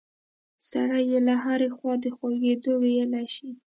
سړی یې له هرې خوا د خوږېدو ویلی شي.